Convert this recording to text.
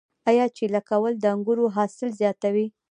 آیا چیله کول د انګورو حاصل زیاتوي؟